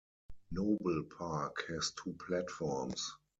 Noble Park has two platforms.